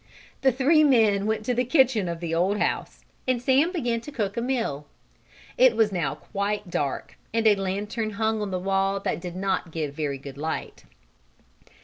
The three men went to the kitchen of the old house, and Sam began to cook a meal. It was now quite dark, and a lantern hung on the wall did not give a very good light.